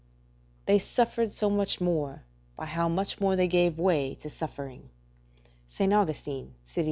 ["They suffered so much the more, by how much more they gave way to suffering." St. Augustin, De Civit.